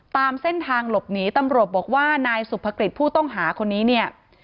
ตามเส้นทางหลบหนีตำรวจบอกว่านายสุภกฤษผู้ต้องหาคนนี้เนี่ย